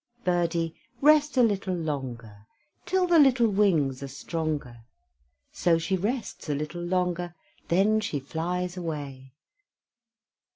Birdie, rest a little longer, Till the little wings are stronger. So she rests a little longer, Then she flies away.